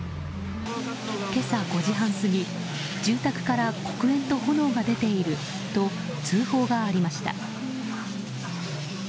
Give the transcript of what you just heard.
今朝５時半過ぎ住宅から黒煙と炎が出ていると通報がありました。